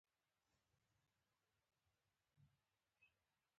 پالمر زړه نه ښه کاوه.